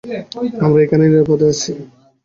আমরা এখানে নিরাপদে আছি।